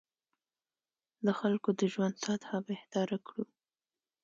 د خلکو د ژوند سطح بهتره کړو.